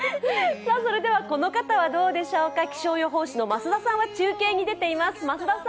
それではこの方はどうでしょうか、気象予報士の増田さんは中継に出ています。